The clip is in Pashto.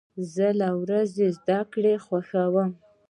زه له ورځې زده کړې خوښ یم.